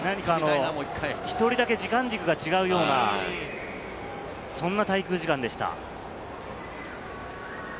１人だけ時間軸が違うような、そんな滞空時間でした。